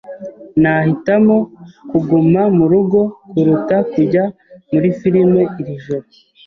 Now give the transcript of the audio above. Nahitamo kuguma murugo kuruta kujya muri firime iri joro.